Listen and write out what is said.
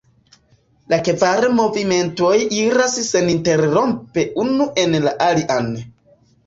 La kvar movimentoj iras seninterrompe unu en la alian.